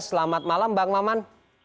selamat malam bang laman